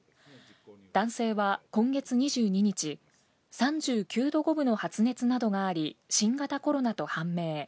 男性は今月２２日３９度５分の発熱などがあり新型コロナと判明。